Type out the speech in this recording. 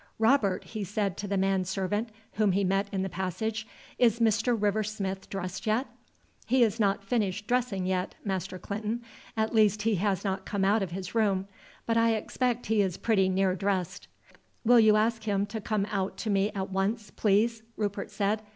"Robert," he said to the man servant whom he met in the passage, "is Mr. River Smith dressed yet?" "He is not finished dressing yet, Master Clinton; at least he has not come out of his room. But I expect he is pretty near dressed." "Will you ask him to come out to me at once, please?" Rupert said.